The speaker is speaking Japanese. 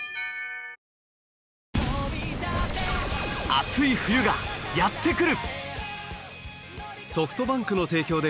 熱い冬がやってくる！